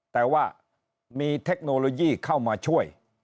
แต่ว่ามีเทคโนโลยีเข้ามาช่วย